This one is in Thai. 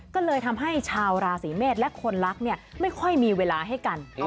ก็เลยทำให้ชาวราศีเมษและคนรักเนี่ยไม่ค่อยมีเวลาให้กัน